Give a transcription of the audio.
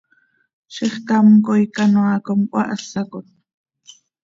¡Zixcám coi canoaa com cöhahásacot!